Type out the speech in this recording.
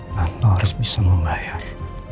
dan lo harus bisa membayar